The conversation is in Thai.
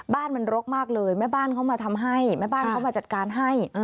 บ้านมันรกมากเลยแม่บ้านเขามาทำให้แม่บ้านเขามาจัดการให้